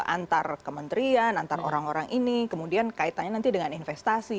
antar kementerian antar orang orang ini kemudian kaitannya nanti dengan investasi